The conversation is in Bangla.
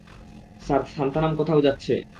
স্যার, সান্থানাম কোথাও যাচ্ছে।